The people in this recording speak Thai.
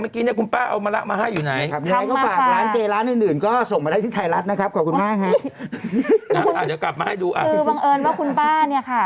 บังเอิญว่าคุณป้าเนี่ยค่ะ